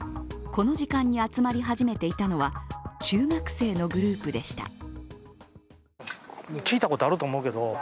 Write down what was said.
この時間に集始めていたのは中学生のグループでした。